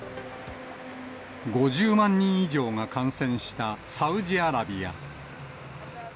５０万人以上が感染したサウジアラビア。